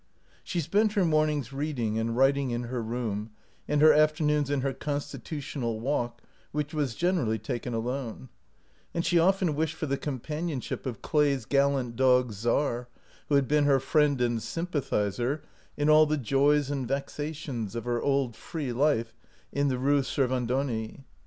She spent her mornings reading and writ ing in her room, and her afternoons in her constitutional walk, which was generally taken alone ; and she often wished for the companionship of Clay's gallant dog Czar, who had been her friend and sympathizer in all the joys and vexations of her old free life in the Rue Servandoni.